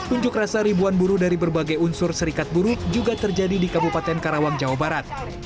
unjuk rasa ribuan buruh dari berbagai unsur serikat buruh juga terjadi di kabupaten karawang jawa barat